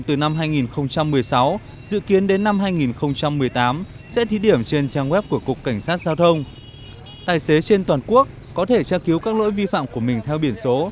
tài xế trên toàn quốc có thể tra cứu các lỗi vi phạm của mình theo biển số